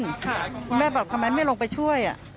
คุณแม่บอกทำไมไม่ลงไปช่วย